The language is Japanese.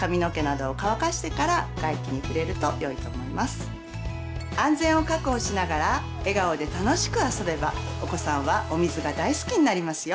最後に安全を確保しながら笑顔で楽しく遊べばお子さんはお水が大好きになりますよ！